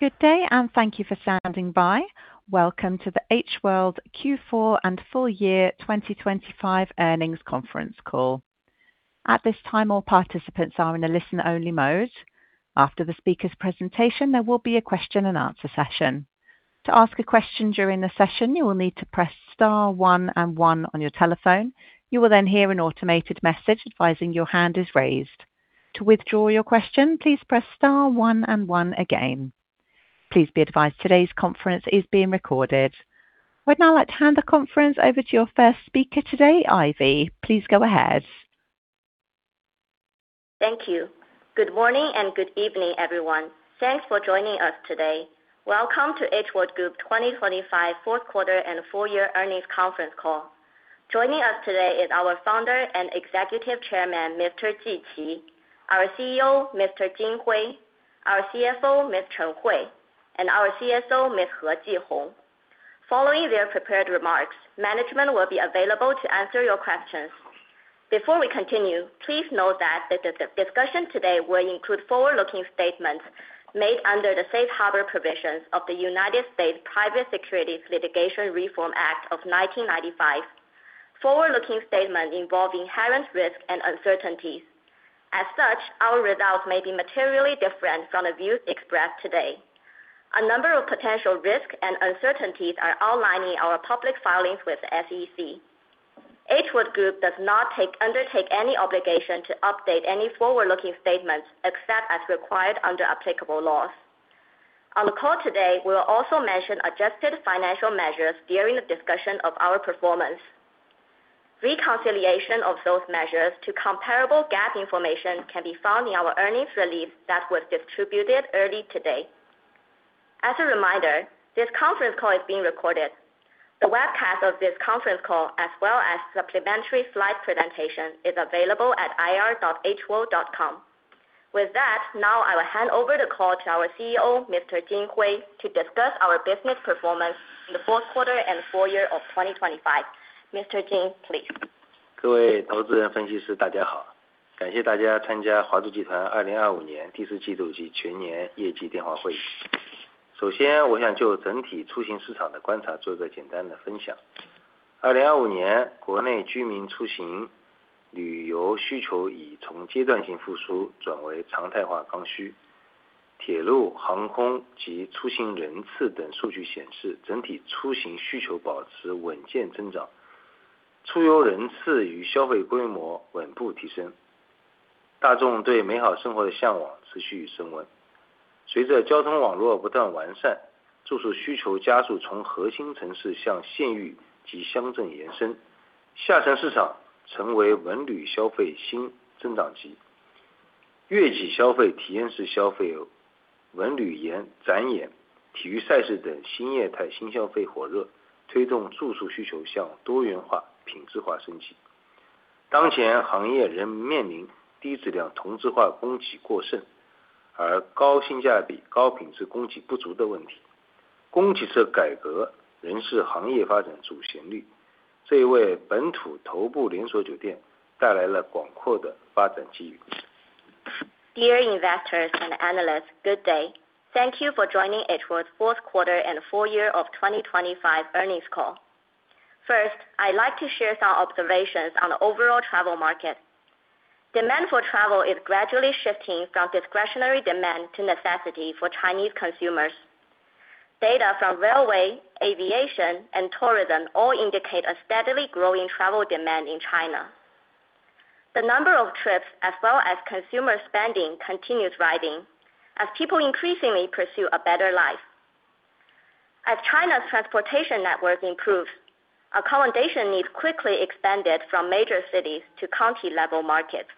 Good day, and thank you for standing by. Welcome to the H World Q4 and full year 2025 earnings conference call. At this time, all participants are in a listen-only mode. After the speaker's presentation, there will be a question-and-answer session. To ask a question during the session, you will need to press star one and one on your telephone. You will then hear an automated message advising your hand is raised. To withdraw your question, please press star one and one again. Please be advised today's conference is being recorded. We'd now like to hand the conference over to your first speaker today, Ivy. Please go ahead. Thank you. Good morning and good evening, everyone. Thanks for joining us today. Welcome to H World Group 2025 fourth quarter and full year earnings conference call. Joining us today is our Founder and Executive Chairman, Mr. Qi Ji, our CEO, Mr. Hui Jin, our CFO, Ms. Hui Chen, and our CSO, Ms. Jihong He. Following their prepared remarks, management will be available to answer your questions. Before we continue, please note that the discussion today will include forward-looking statements made under the Safe Harbor Provisions of the United States Private Securities Litigation Reform Act of 1995. Forward-looking statements involve inherent risks and uncertainties. As such, our results may be materially different from the views expressed today. A number of potential risks and uncertainties are outlined in our public filings with SEC. H World Group does not take, undertake any obligation to update any forward-looking statements, except as required under applicable laws. On the call today, we will also mention adjusted financial measures during the discussion of our performance. Reconciliation of those measures to comparable GAAP information can be found in our earnings release that was distributed early today. As a reminder, this conference call is being recorded. The webcast of this conference call, as well as supplementary slide presentation, is available at ir.hworld.com. With that, now I will hand over the call to our CEO, Mr. Hui Jin, to discuss our business performance in the fourth quarter and full year of 2025. Mr. Hui Jin, please. Dear investors and analysts, good day. Thank you for joining H World fourth quarter and full year of 2025 earnings call. First, I'd like to share some observations on the overall travel market. Demand for travel is gradually shifting from discretionary demand to necessity for Chinese consumers. Data from railway, aviation, and tourism all indicate a steadily growing travel demand in China. The number of trips, as well as consumer spending, continues rising as people increasingly pursue a better life. As China's transportation network improves, accommodation needs quickly expanded from major cities to county-level markets,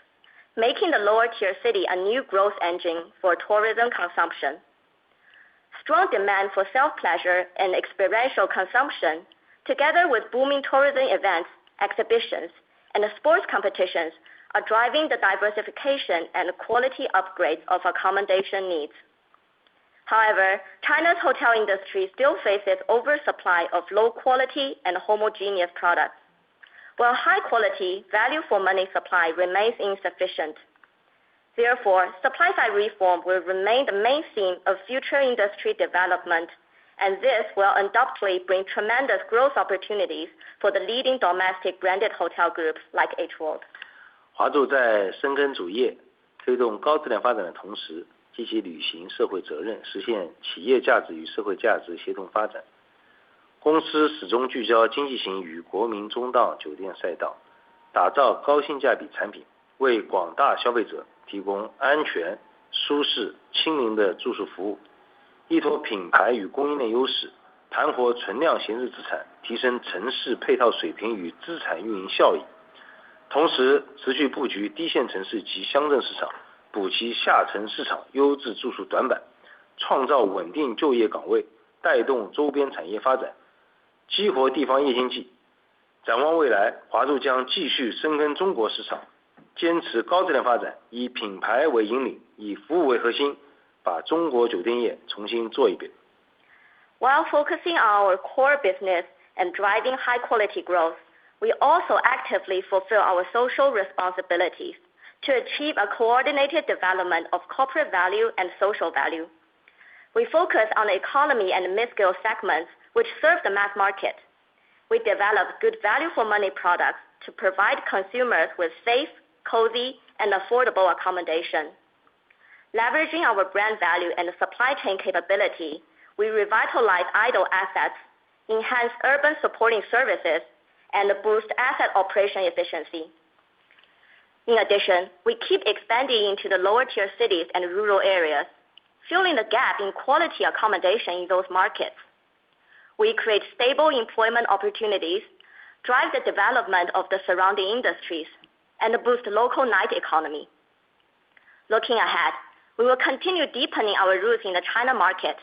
making the lower-tier city a new growth engine for tourism consumption. Strong demand for leisure and experiential consumption, together with booming tourism events, exhibitions, and sports competitions, are driving the diversification and quality upgrades of accommodation needs. However, China's hotel industry still faces oversupply of low-quality and homogeneous products, while high-quality, value-for-money supply remains insufficient. Therefore, supply-side reform will remain the main theme of future industry development, and this will undoubtedly bring tremendous growth opportunities for the leading domestic branded hotel groups like H World. While focusing our core business and driving high-quality growth, we also actively fulfill our social responsibilities to achieve a coordinated development of corporate value and social value. We focus on economy and mid-scale segments, which serve the mass market. We develop good value for money products to provide consumers with safe, cozy, and affordable accommodation. Leveraging our brand value and the supply chain capability, we revitalize idle assets, enhance urban supporting services, and boost asset operation efficiency. In addition, we keep expanding into the lower-tier cities and rural areas, filling the gap in quality accommodation in those markets. We create stable employment opportunities, drive the development of the surrounding industries, and boost local night economy. Looking ahead, we will continue deepening our roots in the China market,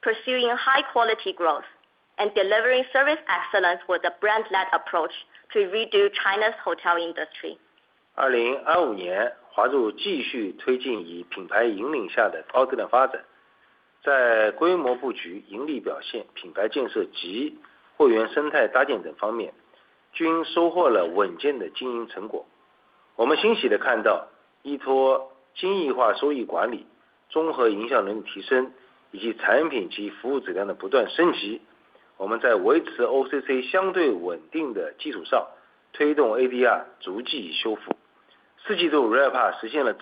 pursuing high quality growth and delivering service excellence with a brand-led approach to redo China's hotel industry. In 2025,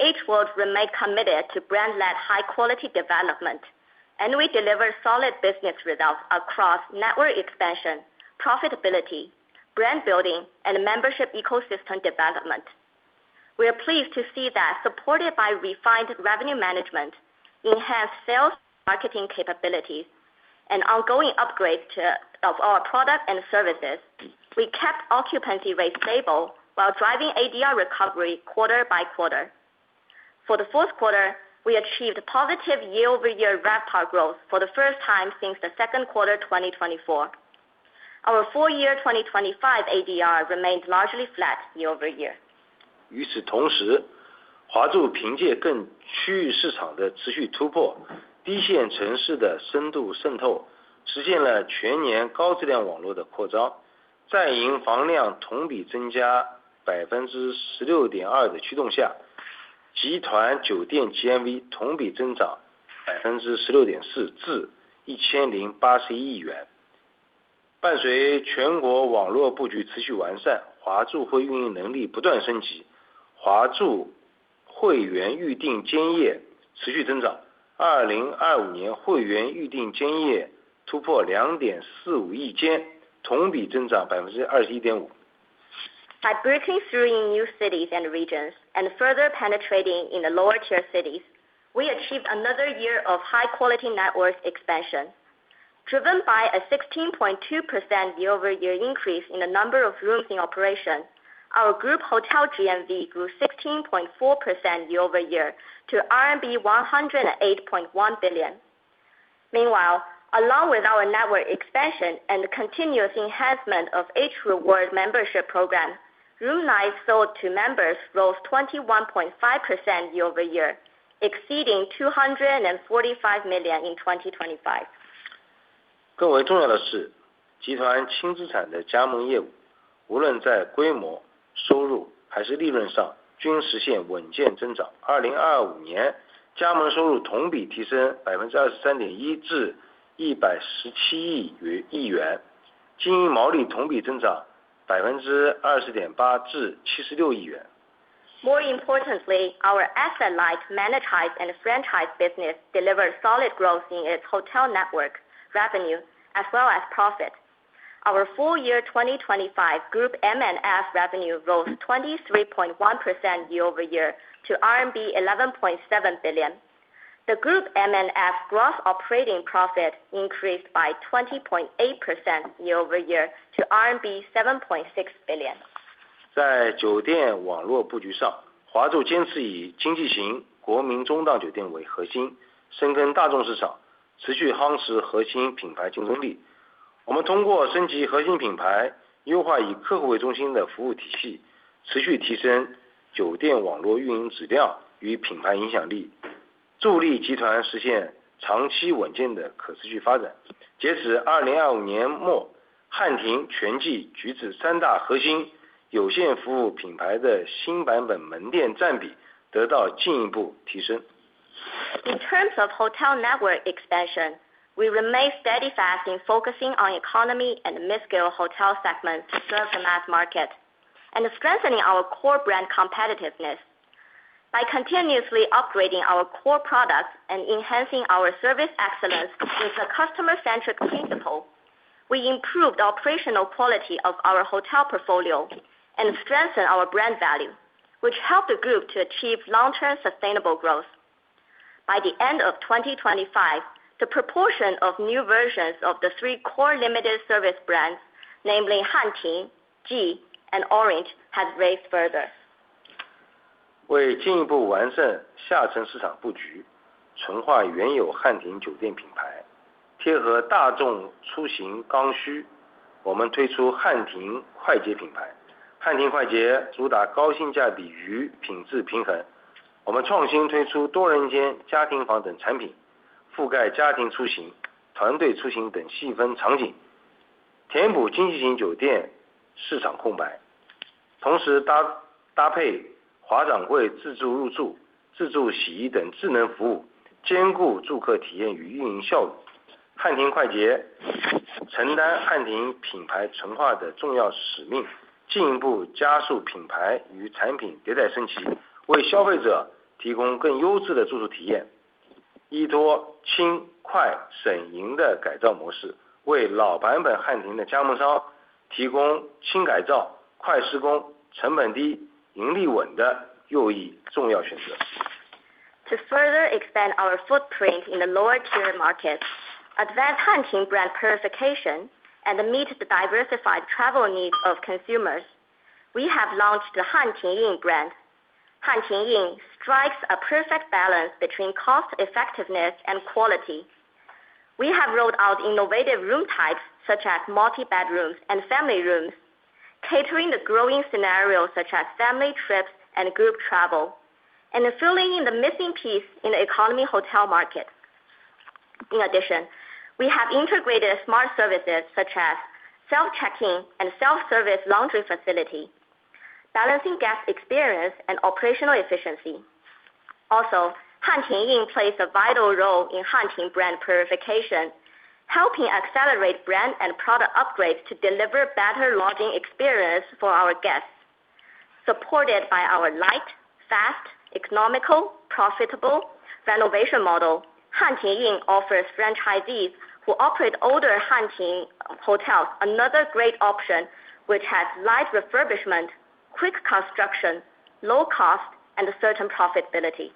H World remained committed to brand-led, high-quality development, and we delivered solid business results across network expansion, profitability, brand building, and membership ecosystem development. We are pleased to see that supported by refined revenue management, enhanced sales, marketing capabilities, and ongoing upgrades of our product and services, we kept occupancy rates stable while driving ADR recovery quarter-by-quarter. For the fourth quarter, we achieved positive year-over-year RevPAR growth for the first time since the second quarter 2024. Our full year, 2025 ADR remains largely flat year-over-year. 与此同时，华住凭借更区域市场的持续突破，低线城市的深度渗透，实现了全年高质量网络的扩张。在营房量同比增加16.2%的驱动下，集团酒店GMV同比增长16.4%，至RMB 1,080亿元。伴随全国网络布局持续完善，华住会运营能力不断升级，华住会员预订间夜持续增长，2025年会员预订间夜突破2.45亿间，同比增长21.5%。By breaking through in new cities and regions and further penetrating in the lower tier cities, we achieved another year of high-quality network expansion. Driven by a 16.2% year-over-year increase in the number of rooms in operation, our group hotel GMV grew 16.4% year-over-year to RMB 108.1 billion. Meanwhile, along with our network expansion and continuous enhancement of H Rewards membership program, room nights sold to members rose 21.5% year-over-year, exceeding 245 million in 2025. 更为重要的是，集团轻资产的加盟业务，无论在规模、收入还是利润上均实现稳健增长。2025年，加盟收入同比提升23.1%，至117亿元，经营毛利同比增长20.8%，至76亿元。More importantly, our asset-light monetized and franchised business delivered solid growth in its hotel network, revenue, as well as profit. Our full year 2025 group M&F revenue rose 23.1% year-over-year to RMB 11.7 billion. The group M&F gross operating profit increased by 20.8% year-over-year to RMB 7.6 billion. 在酒店网络布局上，华住坚持以经济型国民中档酒店为核心，深耕大众市场，持续夯实核心品牌竞争力。我们通过升级核心品牌，优化以客户为中心的服务体系，持续提升酒店网络运营质量与品牌影响力，助力集团实现长期稳健的可持续发展。截止2025年末，汉庭、全季、橘子三大核心有限服务品牌的新版本门店占比得到进一步提升。In terms of hotel network expansion, we remain steadfast in focusing on economy and mid-scale hotel segments to serve the mass market and strengthening our core brand competitiveness. By continuously upgrading our core products and enhancing our service excellence with a customer-centric principle, we improved the operational quality of our hotel portfolio and strengthened our brand value, which helped the group to achieve long-term sustainable growth. By the end of 2025, the proportion of new versions of the three core limited service brands, namely HanTing, JI, and Orange, had raised further. To further expand our footprint in the lower tier markets, advance HanTing brand purification, and meet the diversified travel needs of consumers, we have launched the HanTing Inn brand. HanTing Inn strikes a perfect balance between cost effectiveness and quality. We have rolled out innovative room types such as multi bedrooms and family rooms, catering to the growing scenarios such as family trips and group travel, and filling in the missing piece in the economy hotel market. In addition, we have integrated smart services such as self check-in and self-service laundry facility, balancing guest experience and operational efficiency. Also, HanTing Inn plays a vital role in HanTing brand purification, helping accelerate brand and product upgrades to deliver better lodging experience for our guests. Supported by our light, fast, economical, profitable renovation model, HanTing Inn offers franchisees who operate older HanTing hotels another great option, which has light refurbishment, quick construction, low cost and certain profitability.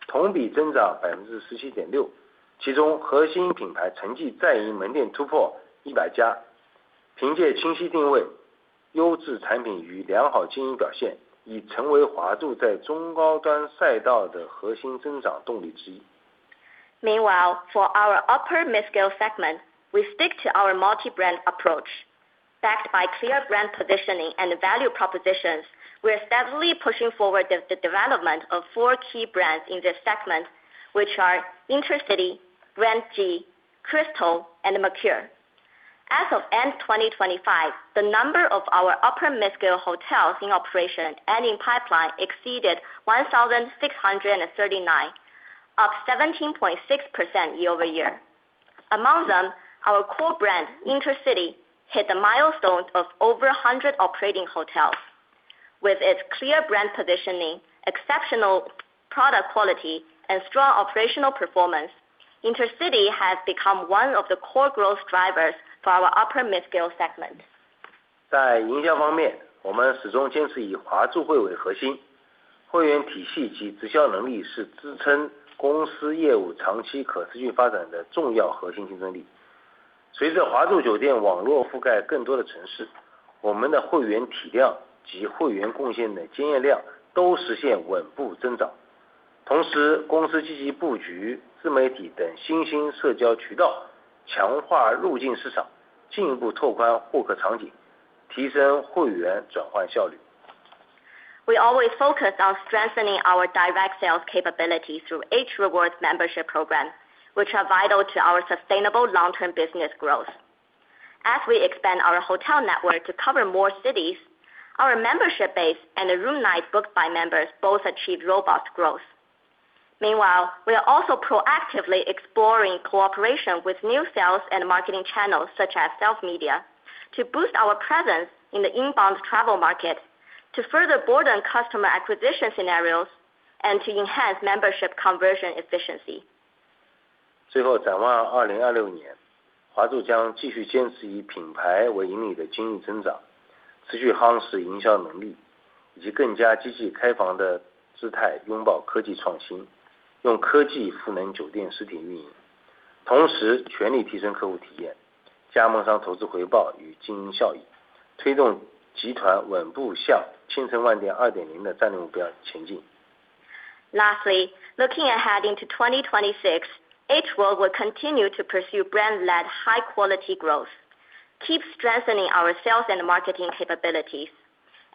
与此同时，华住中高端板块坚持多品牌发展战略，通过清晰的品牌定位与价值主张，稳步推进橙记、全季、大观、水晶及美居四大核心品牌的发展。截至2025年末，集团中高端品牌在营及管道内店突破1,639家，同比增长17.6%。其中核心品牌橙记在营门店突破一百家。凭借清晰定位、优质产品与良好经营表现，已成为华住在中高端赛道的核心增长动力之一。Meanwhile, for our upper mid-scale segment, we stick to our multi-brand approach, backed by clear brand positioning and value propositions, we are steadily pushing forward the development of four key brands in this segment, which are IntercityHotel, Grand JI, Crystal and Mercure. As of end 2025, the number of our upper mid-scale hotels in operation and in pipeline exceeded 1,639, up 17.6% year-over-year. Among them, our core brand, IntercityHotel, hit a milestone of over 100 operating hotels. With its clear brand positioning, exceptional product quality and strong operational performance, IntercityHotel has become one of the core growth drivers for our upper mid-scale segment. 在营销方面，我们始终坚持以华住会为核心，会员体系及直销能力是支撑公司业务长期可持续发展的重要核心竞争力。随着华住酒店网络覆盖更多的城市，我们的会员体量及会员贡献的经营量都实现稳步增长。同时，公司积极布局自媒体等新兴社交渠道，强化入境市场，进一步拓宽获客场景，提升会员转换效率。We always focus on strengthening our direct sales capabilities through H Rewards membership program, which are vital to our sustainable long term business growth. As we expand our hotel network to cover more cities, our membership base and the room night booked by members both achieved robust growth. Meanwhile, we are also proactively exploring cooperation with new sales and marketing channels such as self media, to boost our presence in the inbound travel market, to further broaden customer acquisition scenarios and to enhance membership conversion efficiency. 最后，展望二零二六年，华住将继续坚持以品牌为引领的经营增长，持续夯实营销能力，以及更加积极开放的姿态，拥抱科技创新，用科技赋能酒店实体运营，同时全力提升客户体验、加盟商投资回报与经营效益，推动集团稳步向千城万店二点零的战略目标前进。Lastly, looking ahead into 2026, H World will continue to pursue brand-led, high-quality growth, keep strengthening our sales and marketing capabilities,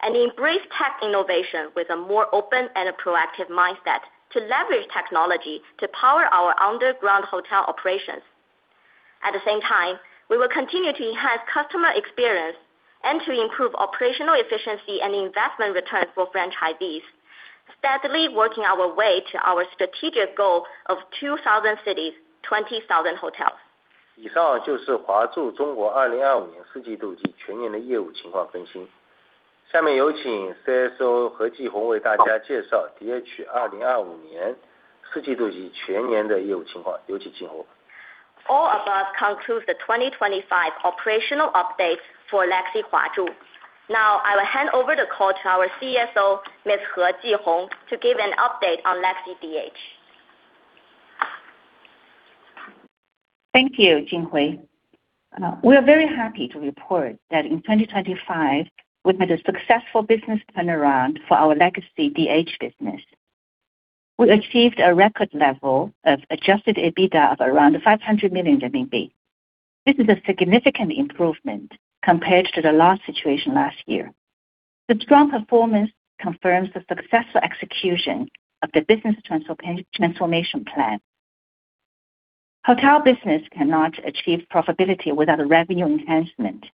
and embrace tech innovation with a more open and proactive mindset to leverage technology to power our ongoing hotel operations. At the same time, we will continue to enhance customer experience and to improve operational efficiency and investment returns for franchisees. Steadily working our way to our strategic goal of 2,000 cities and 20,000 hotels. 以上就是华住中国二零二五年四季度及全年的业务情况分析。下面有请CSO何继红为大家介绍DH二零二五年四季度及全年的业务情况。有请继红。All above concludes the 2025 operational update for Legacy-Huazhu. Now I will hand over the call to our CSO, Ms. Jihong He, to give an update on Legacy-DH. Thank you, Hui Jin. We are very happy to report that in 2025 we made a successful business turnaround for our Legacy-DH business. We achieved a record level of adjusted EBITDA of around 500 million RMB. This is a significant improvement compared to the last situation last year. The strong performance confirms the successful execution of the business transformation plan. Hotel business cannot achieve profitability without revenue enhancement.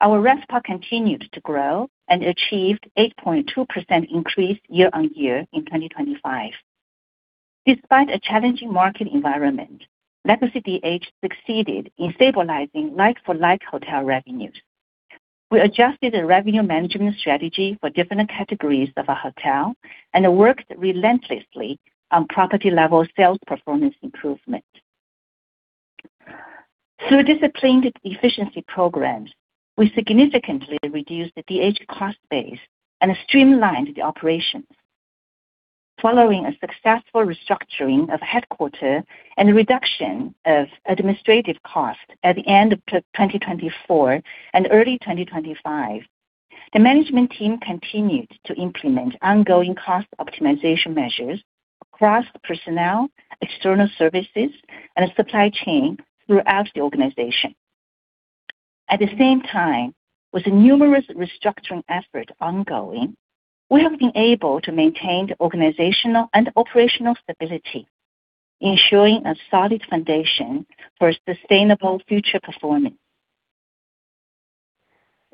Our RevPAR continues to grow and achieved 8.2% increase year-on-year in 2025. Despite a challenging market environment, Legacy-DH succeeded in stabilizing like-for-like hotel revenues. We adjusted the revenue management strategy for different categories of a hotel and worked relentlessly on property level sales performance improvement. Through disciplined efficiency programs, we significantly reduced the DH cost base and streamlined the operations. Following a successful restructuring of headquarters and reduction of administrative costs at the end of 2024 and early 2025, the management team continued to implement ongoing cost optimization measures across personnel, external services and supply chain throughout the organization. At the same time, with numerous restructuring efforts ongoing, we have been able to maintain the organizational and operational stability, ensuring a solid foundation for sustainable future performance.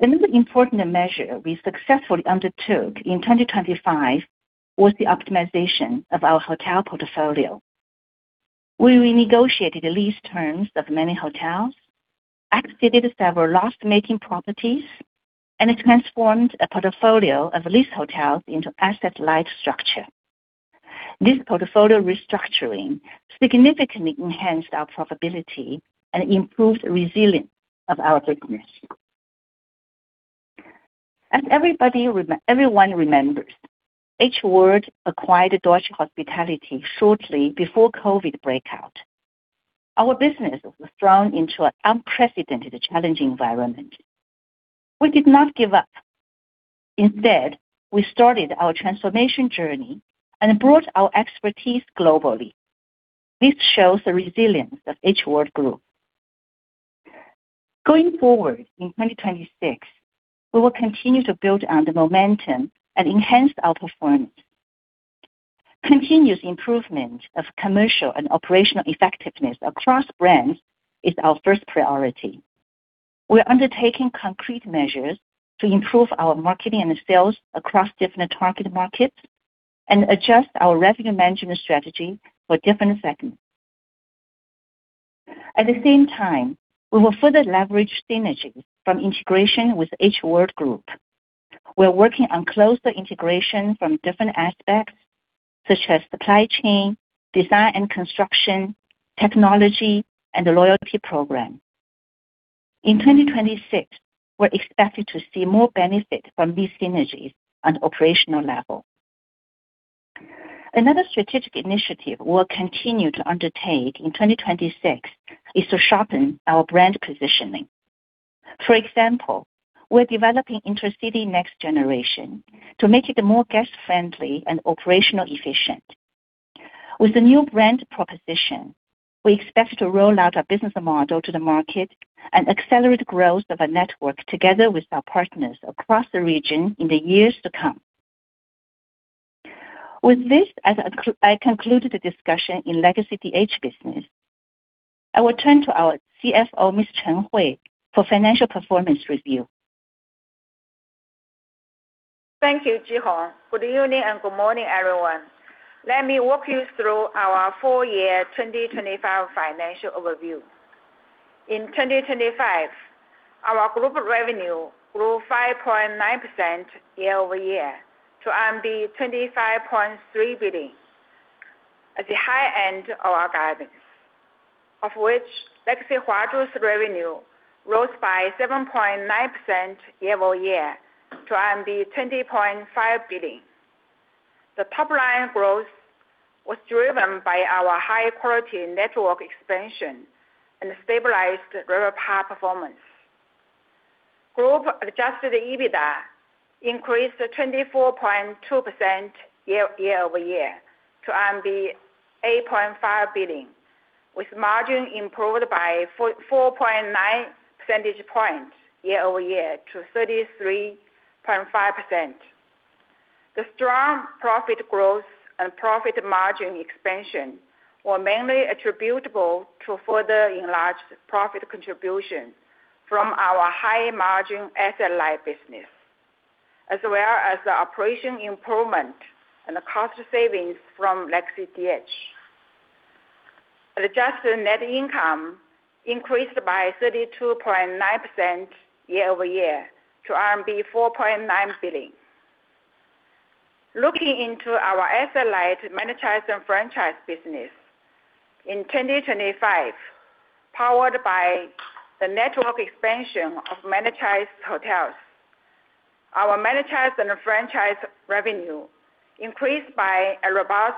Another important measure we successfully undertook in 2025 was the optimization of our hotel portfolio. We renegotiated the lease terms of many hotels, exited several loss-making properties, and it transformed a portfolio of leased hotels into asset light structure. This portfolio restructuring significantly enhanced our profitability and improved resilience of our business. As everyone remembers, H World acquired Deutsche Hospitality shortly before COVID outbreak. Our business was thrown into an unprecedented challenging environment. We did not give up. Instead, we started our transformation journey and brought our expertise globally. This shows the resilience of H World Group. Going forward in 2026, we will continue to build on the momentum and enhance our performance. Continuous improvement of commercial and operational effectiveness across brands is our first priority. We are undertaking concrete measures to improve our marketing and sales across different target markets and adjust our revenue management strategy for different segments. At the same time, we will further leverage synergies from integration with H World Group. We are working on closer integration from different aspects such as supply chain, design and construction, technology, and the loyalty program. In 2026, we're expected to see more benefit from these synergies on operational level. Another strategic initiative we'll continue to undertake in 2026 is to sharpen our brand positioning. For example, we're developing IntercityHotel's next generation to make it more guest friendly and operationally efficient. With the new brand proposition, we expect to roll out a business model to the market and accelerate growth of a network together with our partners across the region in the years to come. With this, I conclude the discussion in Legacy-DH business. I will turn to our CFO, Ms. Hui Chen, for financial performance review. Thank you, Jihong He. Good evening and good morning, everyone. Let me walk you through our full year 2025 financial overview. In 2025, our group revenue grew 5.9% year-over-year to 25.3 billion. At the high end of our guidance, of which Legacy-Huazhu's revenue rose by 7.9% year-over-year to RMB 20.5 billion. The top-line growth was driven by our high quality network expansion and stabilized RevPAR performance. Group adjusted EBITDA increased 24.2% year-over-year to 8.5 billion, with margin improved by 4.9 percentage points year-over-year to 33.5%. The strong profit growth and profit margin expansion were mainly attributable to further enlarged profit contribution from our high-margin, asset-light business, as well as the operational improvement and the cost savings from Legacy-DH. Adjusted net income increased by 32.9% year-over-year to RMB 4.9 billion. Looking into our asset-light managed and franchised business, in 2025, powered by the network expansion of managed hotels, our managed and franchised revenue increased by a robust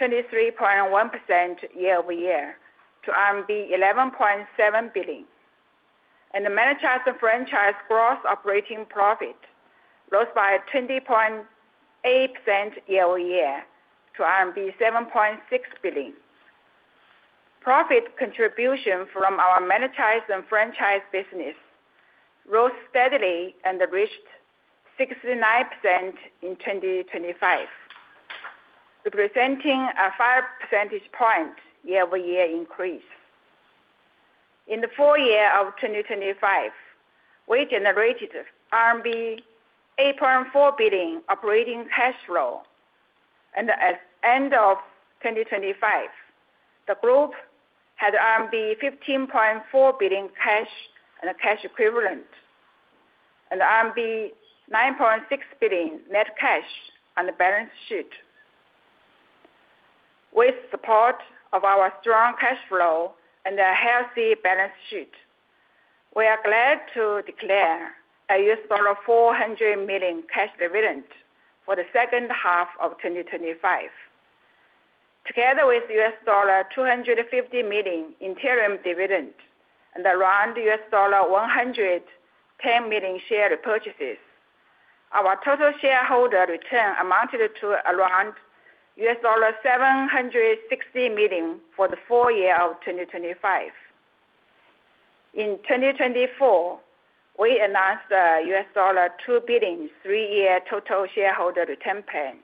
23.1% year-over-year to RMB 11.7 billion. The managed and franchised gross operating profit rose by 20.8% year-over-year to RMB 7.6 billion. Profit contribution from our managed and franchised business rose steadily and reached 69% in 2025, representing a 5 percentage point year-over-year increase. In the full year of 2025, we generated RMB 8.4 billion operating cash flow. At end of 2025, the group had RMB 15.4 billion cash and cash equivalent and RMB 9.6 billion net cash on the balance sheet. With support of our strong cash flow and a healthy balance sheet, we are glad to declare a $400 million cash dividend for the second half of 2025. Together with $250 million interim dividend and around $110 million share repurchases, our total shareholder return amounted to around $760 million for the full year of 2025. In 2024, we announced a $2 billion, three-year total shareholder return plan.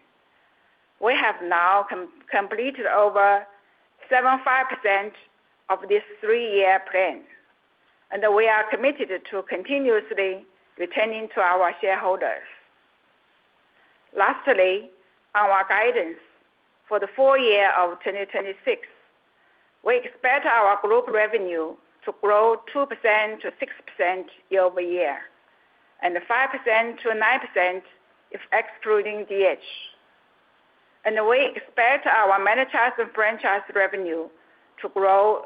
We have now completed over 75% of this three-year plan, and we are committed to continuously returning to our shareholders. Lastly, our guidance for the full year of 2026. We expect our group revenue to grow 2%-6% year-over-year, and 5%-9% if excluding DH. We expect our managed and franchised revenue to grow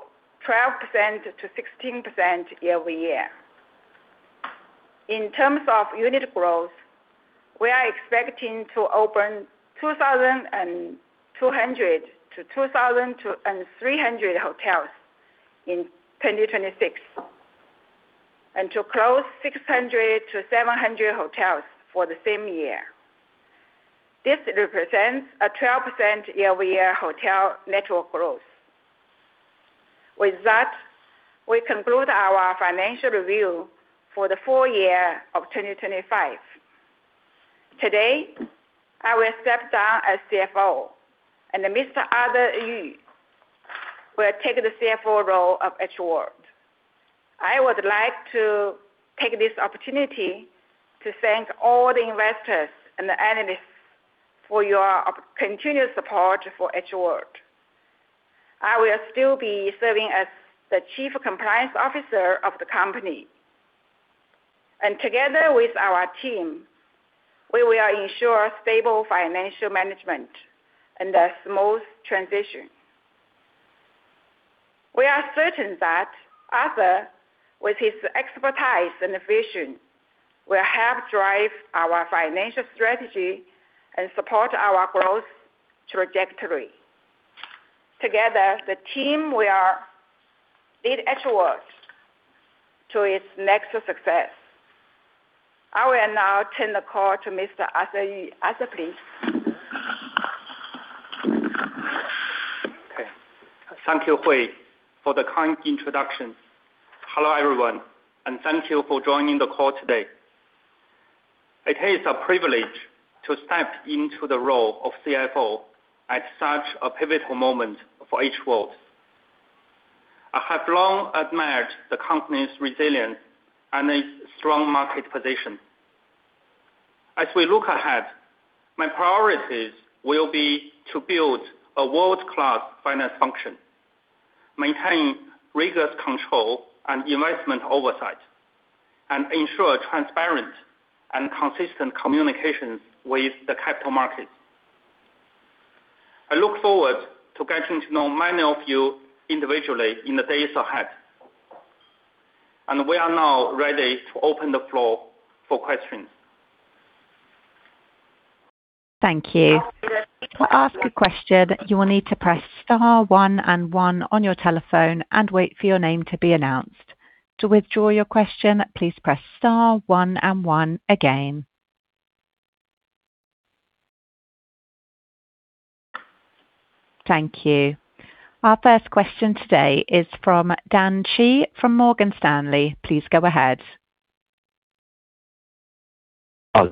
12%-16% year-over-year. In terms of unit growth, we are expecting to open 2,200-2,300 hotels in 2026, and to close 600-700 hotels for the same year. This represents a 12% year-over-year hotel network growth. With that, we conclude our financial review for the full year of 2025. Today, I will step down as CFO and Mr. Arthur Yu will take the CFO role of H World. I would like to take this opportunity to thank all the investors and the analysts for your continuous support for H World. I will still be serving as the Chief Compliance Officer of the company. Together with our team, we will ensure stable financial management and a smooth transition. We are certain that Arthur, with his expertise and vision, will help drive our financial strategy and support our growth trajectory. Together, the team will lead H World to its next success. I will now turn the call to Mr. Arthur Yu. Arthur, please. Okay. Thank you, Hui, for the kind introduction. Hello, everyone, and thank you for joining the call today. It is a privilege to step into the role of CFO at such a pivotal moment for H World Group. I have long admired the company's resilience and its strong market position. As we look ahead, my priorities will be to build a world-class finance function, maintain rigorous control and investment oversight, and ensure transparent and consistent communications with the capital markets. I look forward to getting to know many of you individually in the days ahead. We are now ready to open the floor for questions. Thank you. To ask a question, you will need to press star one and one on your telephone and wait for your name to be announced. To withdraw your question, please press star one and one again. Thank you. Our first question today is from Dan Chee from Morgan Stanley. Please go ahead.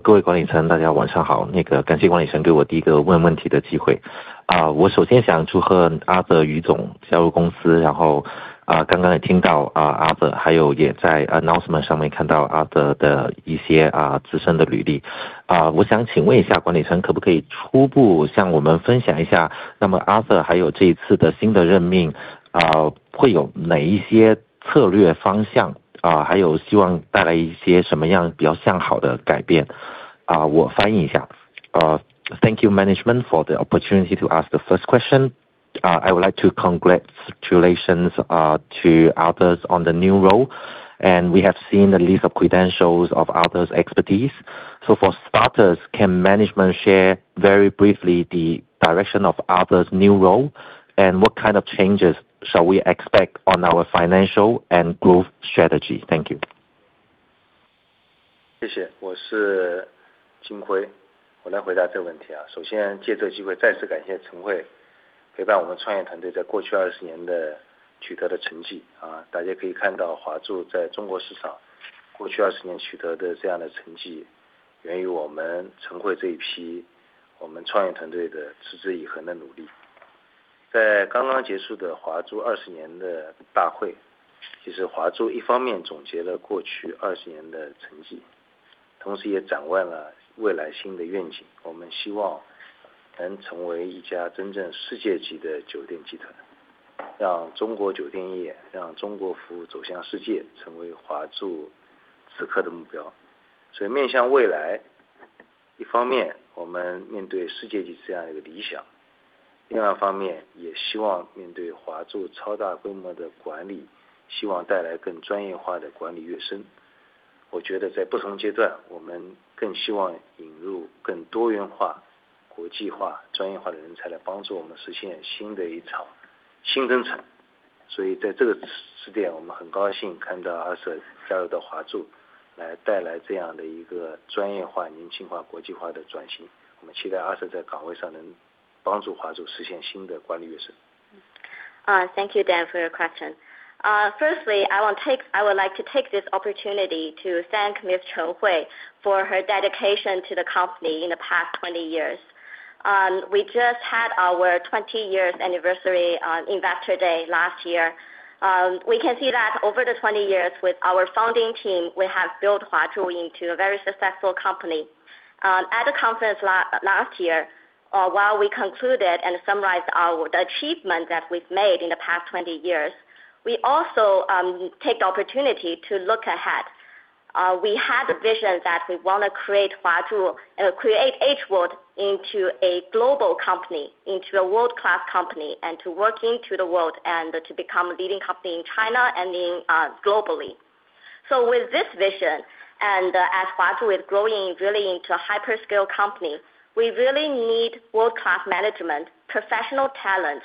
各位管理层大家晚上好，感谢管理层给我第一个问问题的机会。我首先想祝贺Arthur Yu于总加入公司，然后刚刚也听到，Arthur还有也在announcement上面看到Arthur的一些资深的履历。我想请问一下管理层可不可以初步向我们分享一下，那么Arthur还有这一次的新的任命，会有哪一些策略方向，还有希望带来一些什么样比较向好的改变？我翻译一下。Thank you management for the opportunity to ask the first question. I would like to congratulate Arthur on the new role. We have seen the list of credentials of Arthur's expertise. For starters, can management share very briefly the direction of Arthur's new role? What kind of changes shall we expect on our financial and growth strategy? Thank you. Thank you, Dan, for your question. Firstly, I would like to take this opportunity to thank Ms. Hui Chen for her dedication to the company in the past 20 years. We just had our 20-year anniversary on Investor Day last year. We can see that over the 20 years with our founding team, we have built Huazhu into a very successful company. At the conference last year, while we concluded and summarized our achievement that we've made in the past 20 years, we also take the opportunity to look ahead. We had a vision that we want to create Huazhu, create H World into a global company, into a world-class company, and to work into the world and to become a leading company in China and in globally. With this vision, and as far as with growing really into a hyper scale company, we really need world-class management, professional talent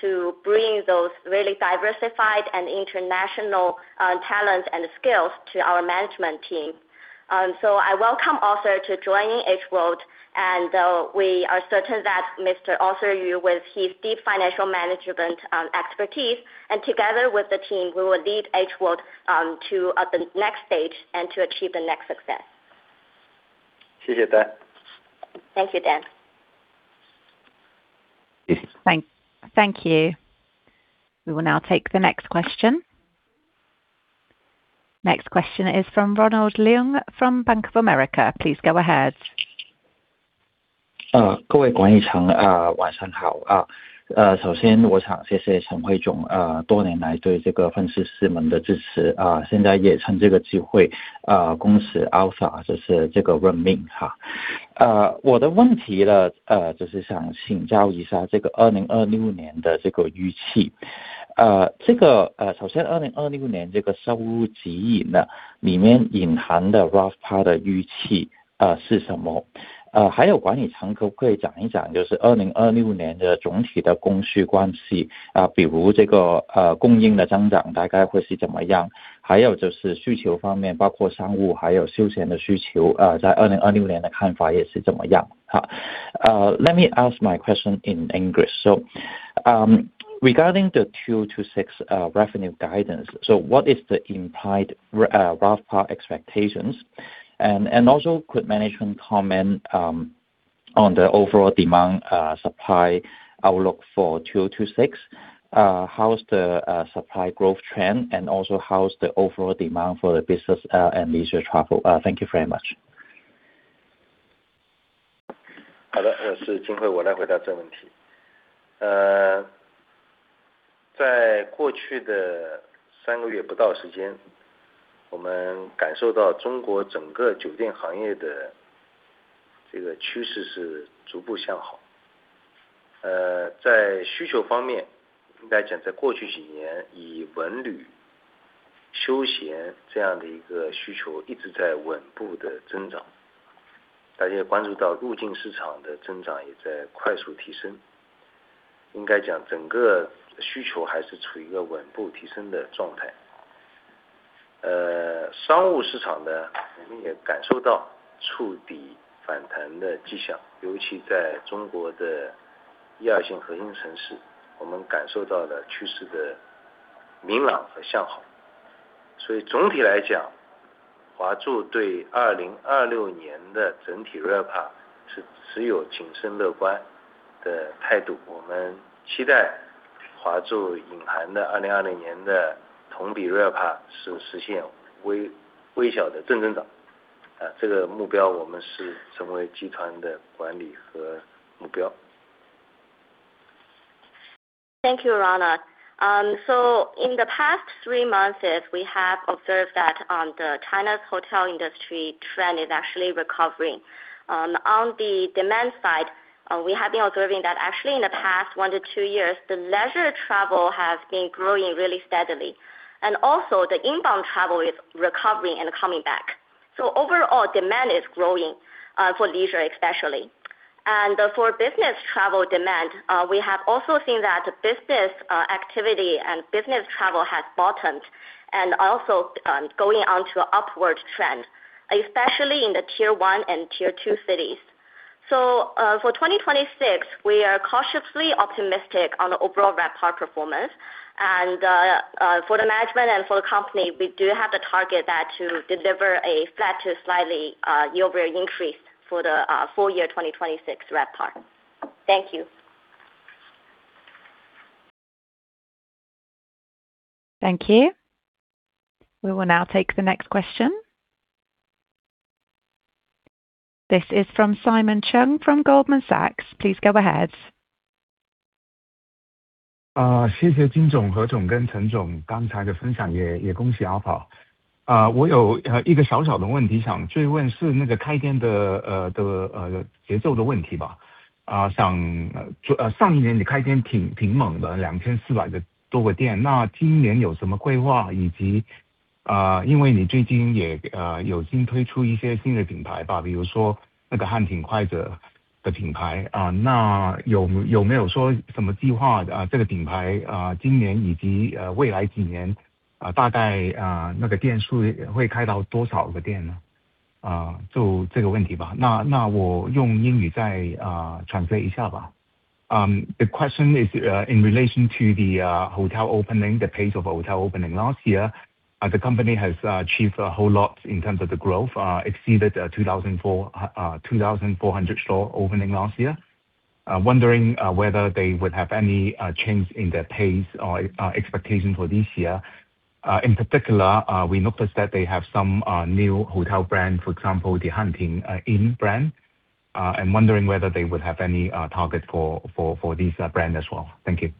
to bring those really diversified and international talent and skills to our management team. I welcome Arthur to joining H World, and we are certain that Mr. Arthur Yu with his deep financial management expertise and together with the team, we will lead H World to the next stage and to achieve the next success. 谢谢 Dan。Thank you, Dan. 谢谢。Thank you. We will now take the next question. Next question is from Ronald Leung from Bank of America. Please go ahead. 各位管理层，晚上好。首先我想谢谢陈辉总，多年来对这个分析师们的支持，现在也趁这个机会，恭喜Arthur这次这个任命。我的问题呢，就是想请教一下这个2026年的这个预期。首先2026年这个收入指引呢，里面隐含的rough的预期是什么？还有管理层可不可以讲一讲，就是2026年的总体的供需关系，比如这个供应的增长大概会是怎么样，还有就是需求方面，包括商务，还有休闲的需求，在2026年的看法也是怎么样？Let me ask my question in English. Regarding the 2026 revenue guidance, what is the implied rough expectations? Could management comment on the overall demand supply outlook for 2026? How is the supply growth trend, and also how is the overall demand for the business and leisure travel? Thank you very much. Thank you, Ronald. In the past three months, we have observed that the China hotel industry trend is actually recovering. On the demand side, we have been observing that actually in the past one to two years, the leisure travel has been growing really steadily and also the inbound travel is recovering and coming back. Overall demand is growing, for leisure especially. For business travel demand, we have also seen that business activity and business travel has bottomed and also going on to an upward trend, especially in the Tier 1 and Tier 2 cities. For 2026, we are cautiously optimistic on the overall RevPAR performance. For the management and for the company, we do have the target that to deliver a flat to slightly year-over-year increase for the full year 2026 RevPAR. Thank you. Thank you. We will now take the next question. This is from Simon Cheung from Goldman Sachs. Please go ahead. 谢谢金总、何总跟陈总刚才的分享，也恭喜阿宝。我有一个小小的问题想追问，是那个开店的节奏的问题吧。上一年你开店挺猛的，两千四百多个店，那今年有什么规划，以及因为你最近也有新推出一些新的品牌吧，比如说那个汉庭快捷的品牌，那有没有说什么计划，这个品牌今年以及未来几年大概那个店数会开到多少个店呢？就这个问题吧。那我用英语再翻译一下吧。The question is in relation to the hotel opening. The pace of hotel opening last year, the company has achieved a whole lot in terms of the growth, exceeded 2,400 store opening last year. Wondering whether they would have any change in their pace or expectation for this year. In particular, we noticed that they have some new hotel brands. For example, the HanTing Inn brand, and wondering whether they would have any target for this brand as well. Thank you.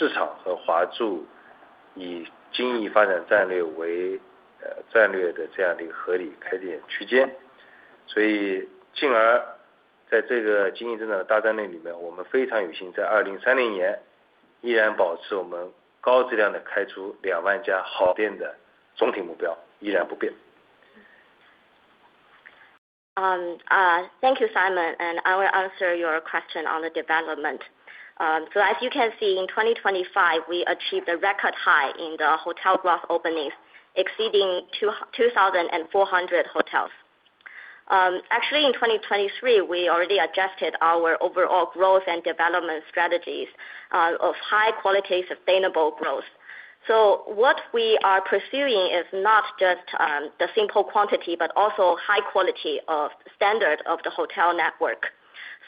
Thank you, Simon. I will answer your question on the development. As you can see, in 2025, we achieved a record high in the hotel growth openings exceeding 2,400 hotels. Actually in 2023, we already adjusted our overall growth and development strategies of high quality, sustainable growth. What we are pursuing is not just the simple quantity, but also high quality of standard of the hotel network.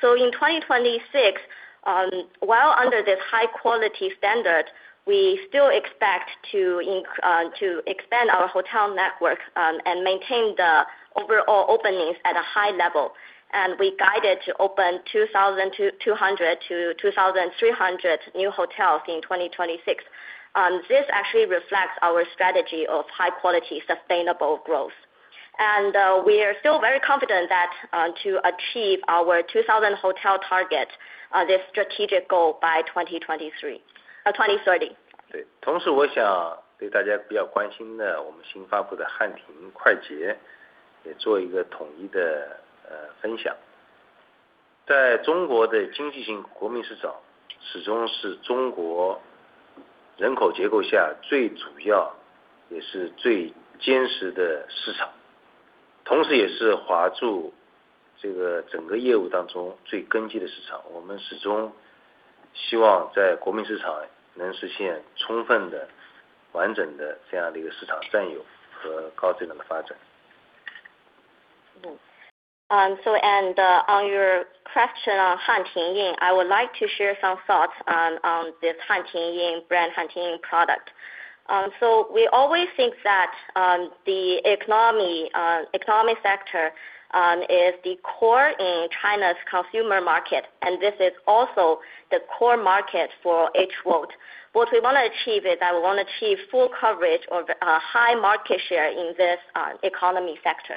In 2026, while under this high quality standard, we still expect to expand our hotel network and maintain the overall openings at a high level. We guided to open 2,200-2,300 new hotels in 2026. This actually reflects our strategy of high-quality, sustainable growth. We are still very confident that to achieve our 2,000 hotel target, this strategic goal by 2030. 对，同时我想对大家比较关心的我们新发布的汉庭快捷也做一个统一的分享。在中国的经济型国民市场，始终是中国人口结构下最主要也是最坚实的市场，同时也是华住这个整个业务当中最根基的市场。我们始终希望在国民市场能实现充分的、完整的这样的一个市场占有和高质量的发展。On your question on HanTing Inn, I would like to share some thoughts on this HanTing Inn brand, HanTing Inn product. We always think that the economy sector is the core in China's consumer market, and this is also the core market for H World. What we want to achieve is full coverage of high market share in this economy sector.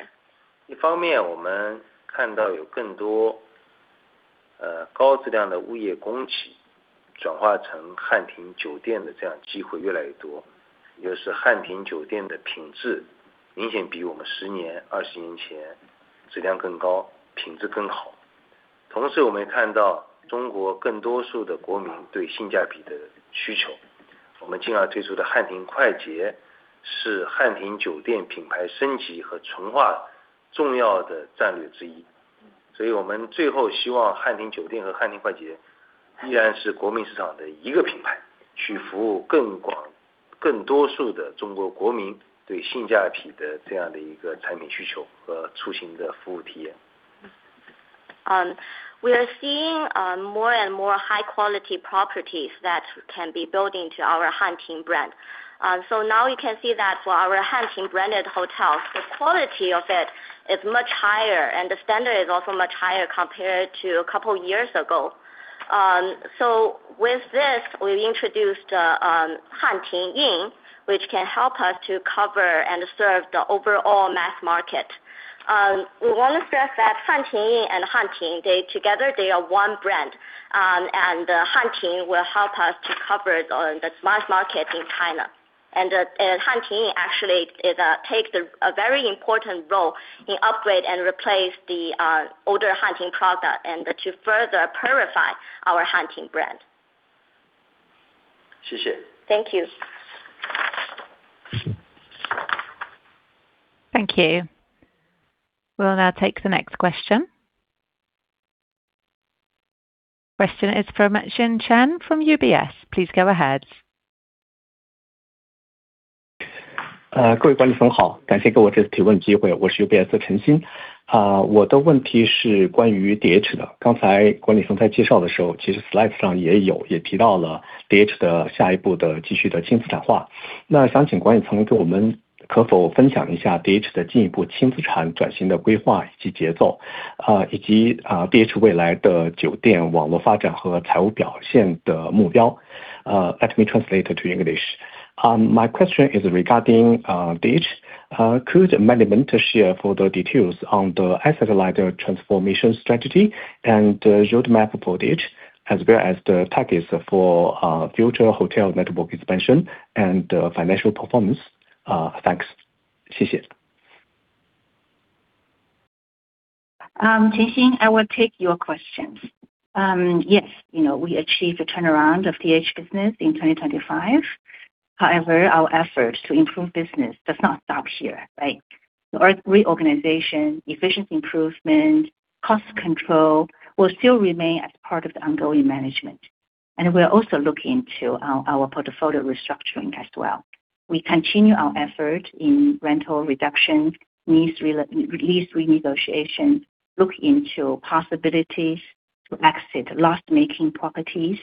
We are seeing more and more high quality properties that can be built into our HanTing brand. Now you can see that for our HanTing branded hotels, the quality of it is much higher and the standard is also much higher compared to a couple of years ago. With this, we've introduced HanTing Inn, which can help us to cover and serve the overall mass market. We want to stress that HanTing Inn and HanTing they together are one brand, and the HanTing will help us to cover the mass market in China. The HanTing actually takes a very important role in upgrade and replace the older HanTing product and to further purify our HanTing brand. 谢谢。Thank you. Thank you. We will now take the next question. Question is from Xin Chen from UBS. Please go ahead. My question is regarding DH. Could management share further details on the asset lighter transformation strategy and roadmap approach, as well as the targets for future hotel network expansion and financial performance? Thanks. 谢 谢. Xin Chen, I will take your questions. Yes, you know we achieve a turnaround of DH business in 2025. However, our efforts to improve business does not stop here, right? Our reorganization, efficiency improvement, cost control will still remain as part of the ongoing management. We are also looking to our portfolio restructuring as well. We continue our effort in rental reduction, lease re-negotiation, look into possibilities to exit loss-making properties,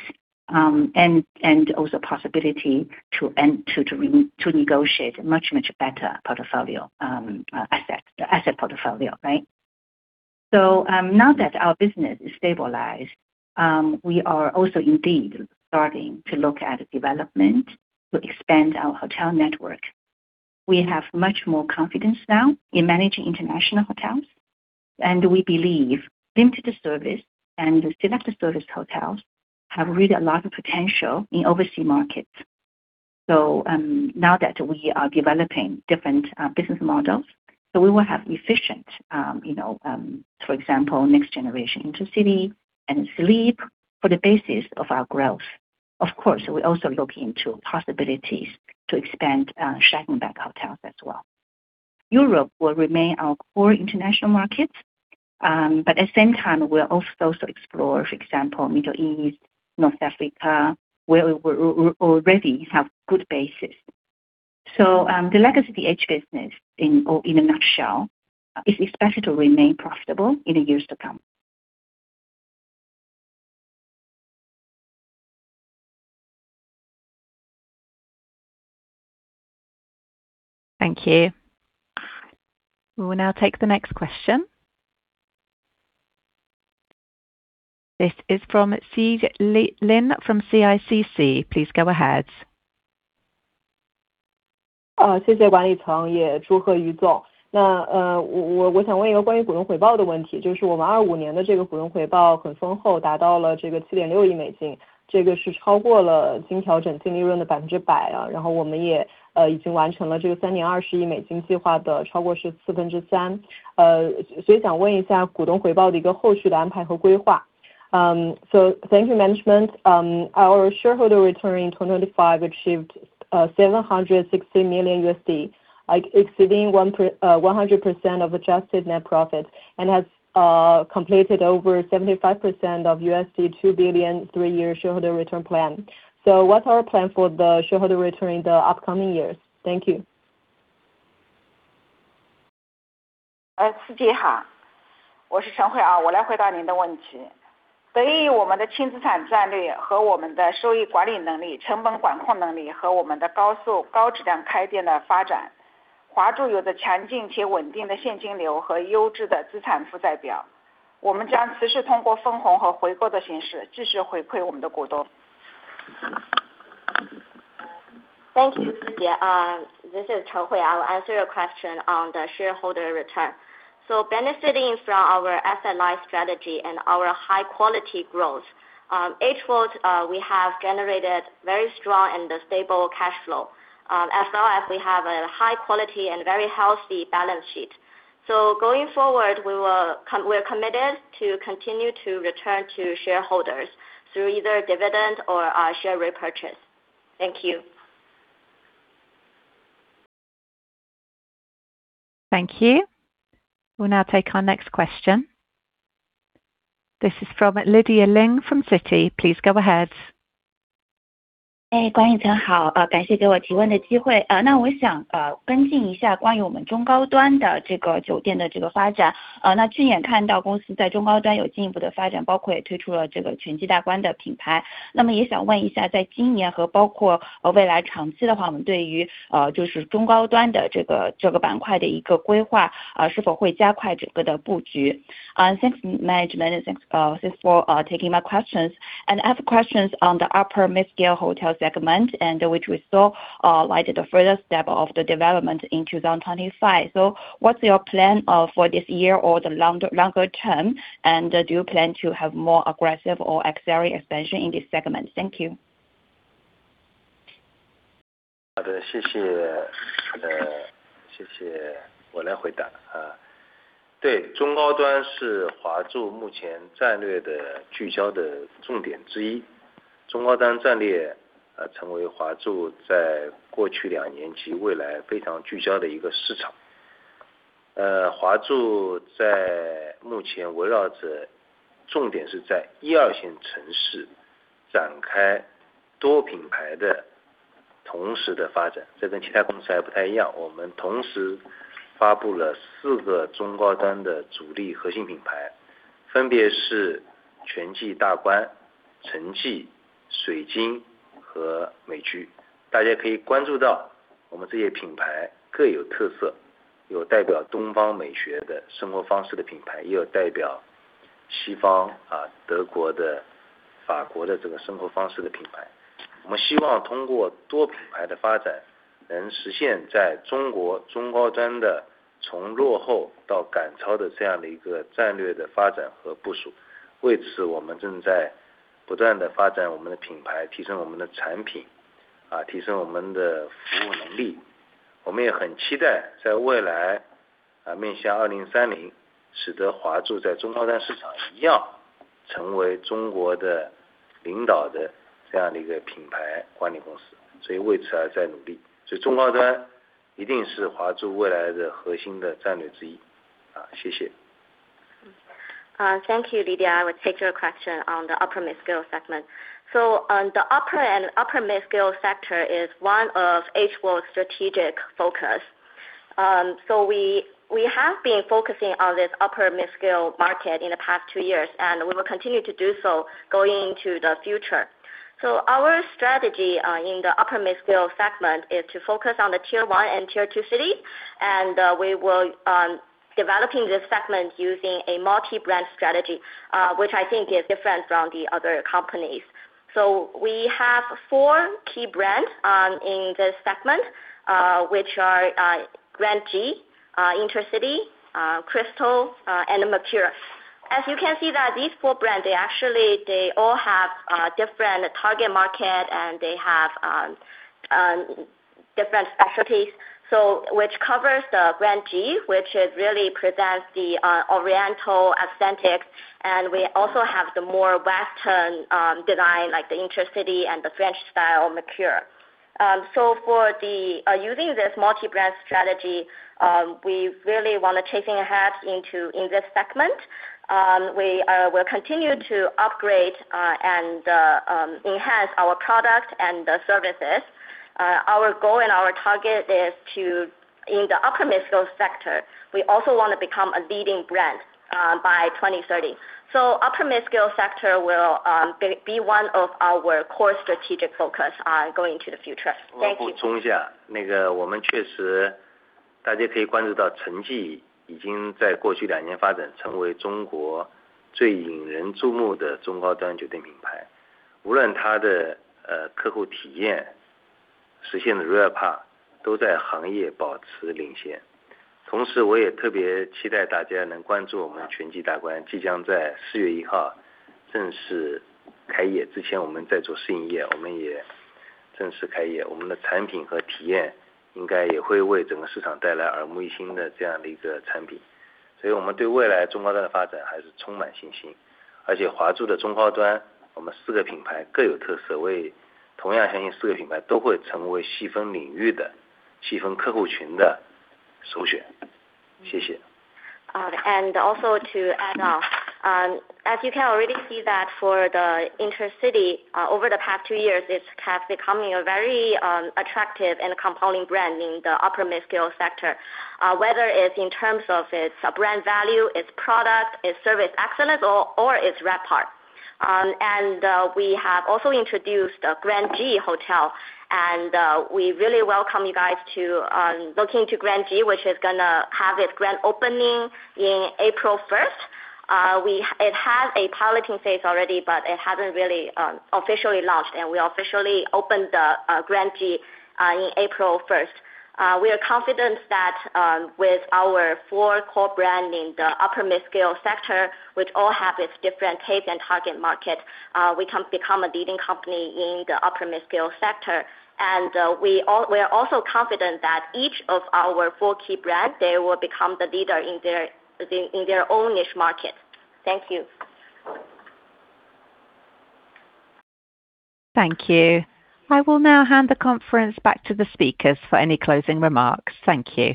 and also possibility to negotiate much better portfolio, asset portfolio, right? Now that our business is stabilized, we are also indeed starting to look at development to expand our hotel network. We have much more confidence now in managing international hotels, and we believe limited service and selected service hotels have really a lot of potential in overseas markets. Now that we are developing different business models, so we will have efficient, you know, for example, next generation IntercityHotel and Zleep for the basis of our growth. Of course, we also look into possibilities to expand, Steigenberger hotels as well. Europe will remain our core international markets, but at the same time, we'll also explore, for example, Middle East, North Africa, where we already have good basis. The Legacy-DH business, or in a nutshell, is expected to remain profitable in the years to come. Thank you. We will now take the next question. This is from Sijie Li from CICC. Please go ahead. 谢谢管理层，也祝贺于总。我想问一个关于股东回报的问题，就是我们25年的这个股东回报很丰厚，达到了这个USD 7.6亿，这个是超过了经调整净利润的100%，然后我们也已经完成了这个三年USD 20亿计划的超过十四分之三。所以想问一下股东回报的一个后续的安排和规划。Thank you management. Our shareholder return in 2025 achieved $760 million, exceeding 100% of adjusted net profit and has completed over 75% of $2 billion three-year shareholder return plan. What's our plan for the shareholder return in the upcoming years? Thank you. Thank you, Sijie. This is Hui Chen. I'll answer your question on the shareholder return. Benefiting from our asset light strategy and our high quality growth, H World, we have generated very strong and stable cash flow. As well as we have a high quality and very healthy balance sheet. Going forward, we're committed to continue to return to shareholders through either dividends or share repurchase. Thank you. Thank you. We'll now take our next question. This is from Lydia Ling from Citi. Please go ahead. Thanks, management. Thanks for taking my questions. I have questions on the upper mid-scale hotel segment and which we saw, like, the further step of the development in 2025. What's your plan for this year or the longer term? Do you plan to have more aggressive or accelerated expansion in this segment? Thank you. Thank you, Lydia. I will take your question on the upper mid-scale segment. The upper mid-scale segment is one of H World's strategic focuses. We have been focusing on this upper mid-scale market in the past two years, and we will continue to do so going into the future. Our strategy in the upper mid-scale segment is to focus on the Tier 1 and Tier 2 cities. We will develop this segment using a multi-brand strategy, which I think is different from the other companies. We have four key brands in this segment, which are Grand JI Hotel, IntercityHotel, Crystal Orange Hotel, and Mercure. As you can see that these four brands actually all have different target market and they have different specialties. Which covers the Grand JI Hotel, which really presents the oriental aesthetics. We also have the more Western design, like the IntercityHotel and the French-style Mercure. Using this multi-brand strategy, we really want to charge ahead in this segment. We will continue to upgrade and enhance our product and the services. Our goal and our target is to, in the upper mid-scale sector, we also want to become a leading brand by 2030. Upper mid-scale sector will be one of our core strategic focus going into the future. Also to add on, as you can already see that for the IntercityHotel, over the past two years, it's been becoming a very attractive and compelling brand in the upper mid-scale sector. Whether it's in terms of its brand value, its product, its service excellence or its rapport. We have also introduced the Grand JI Hotel, and we really welcome you guys to look into Grand JI, which is gonna have its grand opening in April 1st. It has a piloting phase already, but it hasn't really officially launched, and we officially opened the Grand JI in April first. We are confident that with our four core brand in the upper mid-scale sector, which all have its different take and target market, we can become a leading company in the upper mid-scale sector. We are also confident that each of our four key brands, they will become the leader in their own niche market. Thank you. Thank you. I will now hand the conference back to the speakers for any closing remarks. Thank you.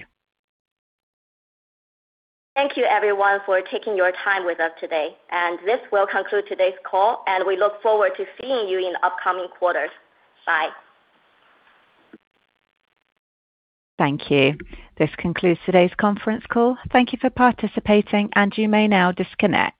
Thank you, everyone, for taking your time with us today. This will conclude today's call, and we look forward to seeing you in the upcoming quarters. Bye. Thank you. This concludes today's conference call. Thank you for participating, and you may now disconnect.